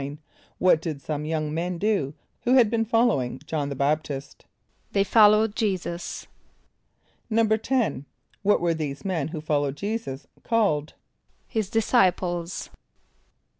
= What did some young men do, who had been following J[)o]hn the B[)a]p´t[)i]st? =They followed J[=e]´[s+]us.= =10.= What were these men who followed J[=e]´[s+]us called? =His disciples.